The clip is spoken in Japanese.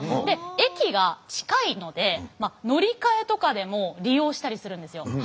で駅が近いので乗り換えとかでも利用したりするんですよ。